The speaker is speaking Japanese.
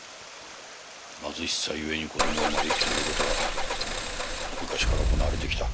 貧しさゆえに子どもを間引くという事は昔から行われてきた。